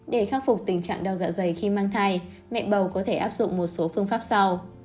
để khắc phục tình trạng đau dạ dày khi mang thai mẹ bầu có thể áp dụng một số phương pháp sau